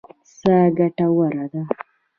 سا ګټوره ده.